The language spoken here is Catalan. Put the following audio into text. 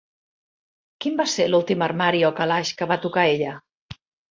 Quin va ser l'últim armari o calaix que va tocar ella?